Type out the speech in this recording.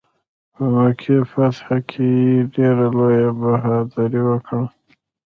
په مکې فتح کې ډېره لویه بهادري وکړه.